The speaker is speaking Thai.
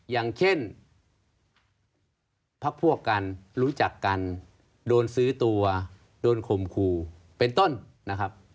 อย่างเช่นพักพวกกันรู้จักกันโดนซื้อตัวโดนข่มขู่เป็นต้นนะครับ